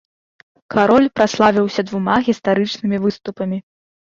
Кароль праславіўся двума гістарычнымі выступамі.